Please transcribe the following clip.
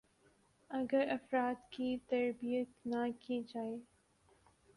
ا گر افراد کی تربیت نہ کی جائے